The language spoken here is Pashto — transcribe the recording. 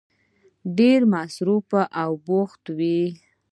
ډېر مصروف او بوخت وی